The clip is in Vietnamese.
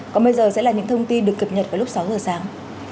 còn bây giờ sẽ là những thông tin được cập nhật vào lúc sáu giờ sáng